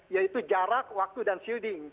yaitu jarak waktu dan shooding